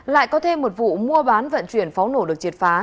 lại có thêm một vụ mua bán vận chuyển pháo nổ được triệt phá